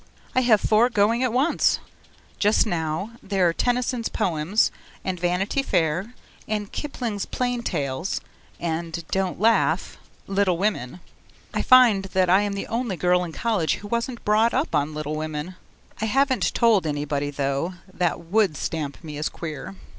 I have four going at once. Just now, they're Tennyson's poems and Vanity Fair and Kipling's Plain Tales and don't laugh Little Women. I find that I am the only girl in college who wasn't brought up on Little Women. I haven't told anybody though (that WOULD stamp me as queer).